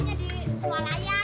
nggak usah nyari